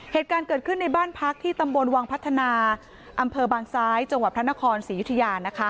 เหตุการณ์เกิดขึ้นในบ้านพักที่ตำบลวังพัฒนาอำเภอบางซ้ายจังหวัดพระนครศรียุธยา